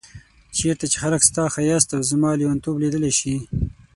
چيرته چي خلګ ستا ښايست او زما ليونتوب ليدلی شي